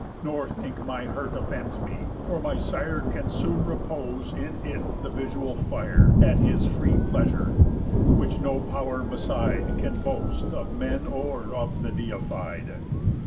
Nor think my hurt offends me, for my sire Can soon repose in it the visual fire, At his free pleasure; which no pow'r beside Can boast, of men, or of the Deified.